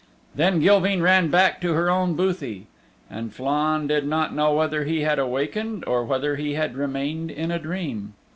Then Gilveen ran back to her own bothie. And Flann did not know whether he had awakened or whether he had remained in a dream.